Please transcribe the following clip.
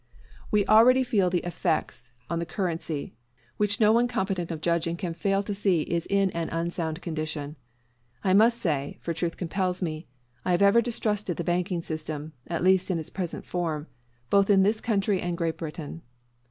We already feel the effects on the currency, which no one competent of judging can fail to see is in an unsound condition. I must say (for truth compels me) I have ever distrusted the banking system, at least in its present form, both in this country and Great Britain.